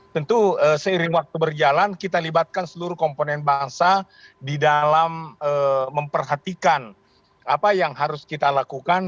tentu seiring waktu berjalan kita libatkan seluruh komponen bangsa di dalam memperhatikan apa yang harus kita lakukan